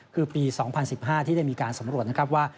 คือปี๒๐๑๕ที่ได้มีการสำรวจนะครับว่า